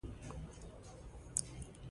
د کوټې سیمینار خاطرې مو سره نوې کړې.